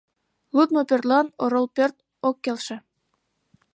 ЛУДМО ПӦРТЛАН ОРОЛ ПӦРТ ОК КЕЛШЕ